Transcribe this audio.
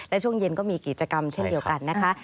และช่วงเย็นก็มีกิจกรรมเช่นเดียวกันนะคะ